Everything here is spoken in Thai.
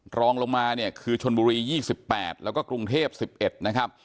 รองลงมาเนี่ยคือชนบุรี๒๘แล้วก็กรุงเทพ๑๑นะครับ